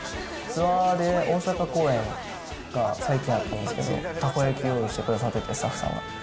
ツアーで大阪公演が最近あったんですけど、たこ焼き用意してくださってて、スタッフさんが。